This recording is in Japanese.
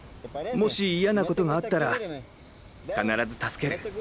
もし嫌なことがあったら必ず助ける。